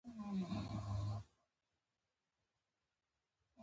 منګی لالو او نور پایلوچان زموږ د زمانې خلک وه.